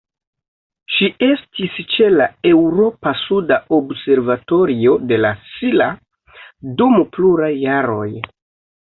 Ŝi estis ĉe la Eŭropa suda observatorio de La Silla dum pluraj jaroj.